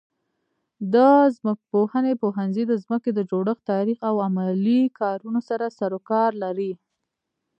د ځمکپوهنې پوهنځی د ځمکې د جوړښت، تاریخ او عملي کارونو سره سروکار لري.